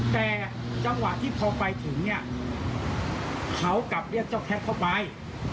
แต่จังหวะที่พอไปถึงเนี่ยเขากลับเรียกเจ้าแคปเข้าไป